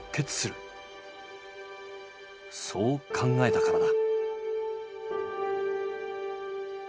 そう考えたからだ。